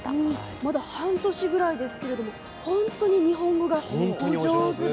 まだ半年ぐらいですけれど本当に日本語がお上手で。